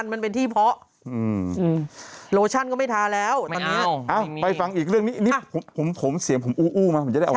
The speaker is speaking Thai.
มีถุงขอได้ไหมคะ